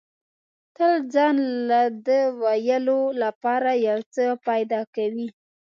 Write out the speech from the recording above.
تل ځان له د ویلو لپاره یو څه پیدا کوي.